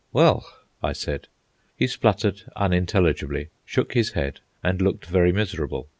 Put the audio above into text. "Well," I said. He spluttered unintelligibly, shook his head, and looked very miserable.